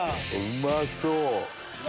うまそう！